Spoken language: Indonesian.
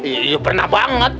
iya pernah banget